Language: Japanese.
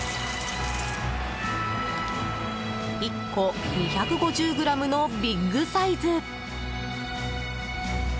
１個２５０ｇのビッグサイズ。